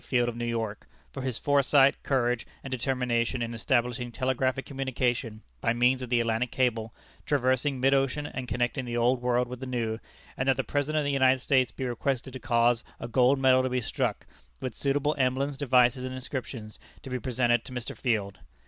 Field of New York, for his foresight, courage, and determination in establishing telegraphic communication by means of the Atlantic cable, traversing mid ocean and connecting the Old World with the New; and that the President of the United States be requested to cause a gold medal to be struck, with suitable emblems, devices, and inscriptions, to be presented to Mr. Field.